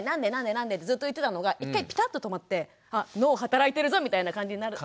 なんで？」ってずっと言ってたのが一回ピタッと止まってあ脳働いてるぞみたいな感じになるし。